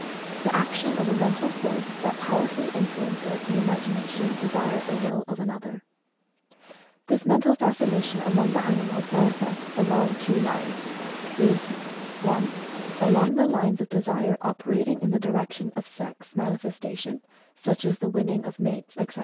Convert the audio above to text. e., "The action of a Mental Force that powerfully influences the imag ination, desire, or will of another." This Mental Fas cination, among the animals, manifests along two lines, viz., (1) along the lines of Desire operating in the direction of Sex manifestation, such as the winning of mates, etc.